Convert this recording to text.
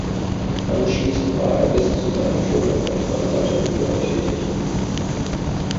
Anschließend war er bis zu seinem Tod als Rechtsanwalt in New York tätig.